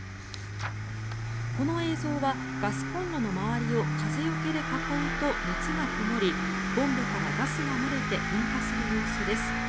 この映像はガスコンロの周りを風よけで囲うと熱がこもりボンベからガスが漏れて引火する様子です。